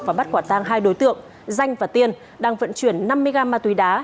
và bắt quả tang hai đối tượng danh và tiên đang vận chuyển năm mươi g ma túy đá